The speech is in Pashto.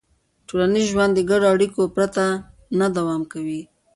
ټولنیز ژوند د ګډو اړیکو پرته نه دوام کوي.